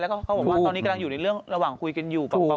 แล้วก็เขาบอกว่าตอนนี้กำลังอยู่ในเรื่องระหว่างคุยกันอยู่กับ